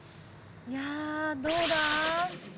いやどうだ？